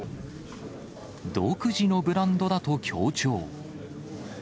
独自のブランドだと強調。